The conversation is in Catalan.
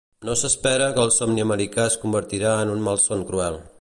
No s’espera que el somni americà es convertirà en un malson cruel.